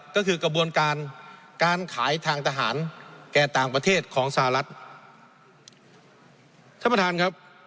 ก็คือกระบวนการการขายทางทหารแก่ต่างประเทศของสหรัฐท่านประธานครับ